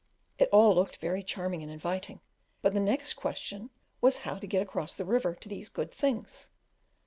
It all looked very charming and inviting, but the next question was how to get across the river to these good things.